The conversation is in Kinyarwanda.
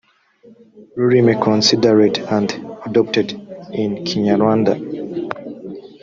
rurimi considered and adopted in kinyarwanda